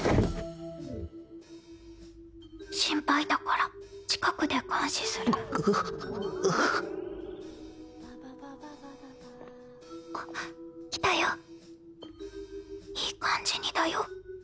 心配だから近くで監視するあっ来たよいい感じにだよ